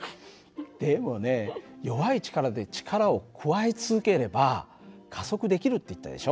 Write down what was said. でもね弱い力で力を加え続ければ加速できるって言ったでしょ。